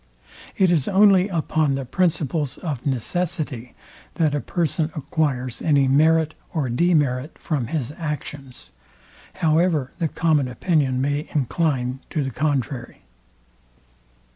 It is only upon the principles of necessity, that a person acquires any merit or demerit from his actions, however the common opinion may incline to the contrary.